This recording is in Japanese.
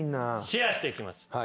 シェアしていきます。